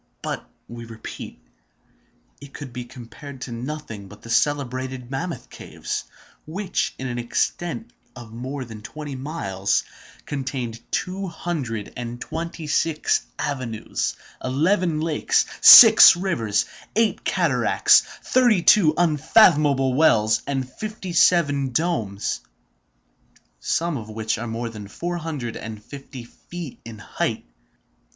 But, we repeat, it could be compared to nothing but the celebrated Mammoth caves, which, in an extent of more than twenty miles, contain two hundred and twenty six avenues, eleven lakes, seven rivers, eight cataracts, thirty two unfathomable wells, and fifty seven domes, some of which are more than four hundred and fifty feet in height.